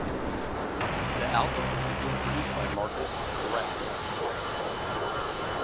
The album was again produced by Markus Dravs.